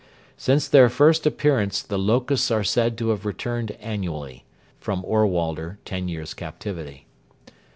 Since their first appearance the locusts are said to have returned annually [Ohrwalder, TEN YEARS' CAPTIVITY.